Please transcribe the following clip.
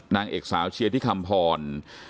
นางเอกสาวเชียร์ที่คำพร